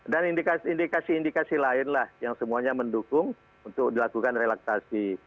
dan indikasi indikasi lainlah yang semuanya mendukung untuk dilakukan relaksasi